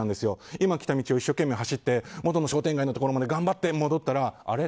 今、来た道を一生懸命走って元の商店街のところまで頑張って戻ったらあれ？